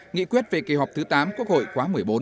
nghị quyết về kỳ họp thứ tám quốc hội khóa một mươi bốn